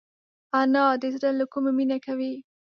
انا د زړه له کومي مینه کوي